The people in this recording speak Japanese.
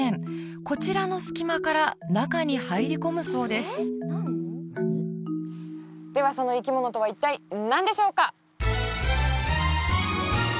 こちらの隙間から中に入り込むそうですではその生き物とは一体何でしょうか？